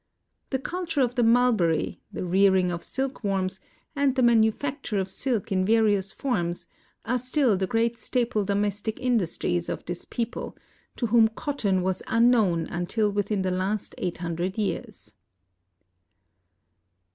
The culture of the mulberry, the rear ing of silk worms, and the manufacture of silk in various forms, are still the great staple domestic industries of this people, to whom cotton was unknown until within the last eight hundred years.